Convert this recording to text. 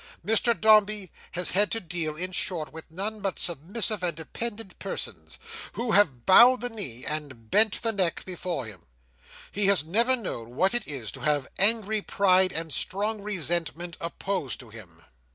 Mr Dombey has had to deal, in short, with none but submissive and dependent persons, who have bowed the knee, and bent the neck, before him. He has never known what it is to have angry pride and strong resentment opposed to him."